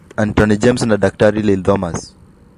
Dasgupta Antony Gomes na Daktari Liji Thomas